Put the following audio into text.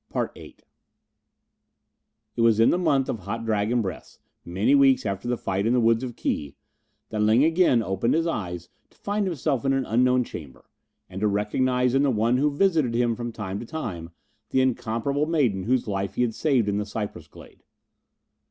CHAPTER VIII It was in the month of Hot Dragon Breaths, many weeks after the fight in the woods of Ki, that Ling again opened his eyes to find himself in an unknown chamber, and to recognize in the one who visited him from time to time the incomparable maiden whose life he had saved in the cypress glade.